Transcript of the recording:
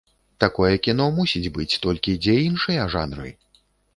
Такое кіно мусіць быць, толькі дзе іншыя жанры?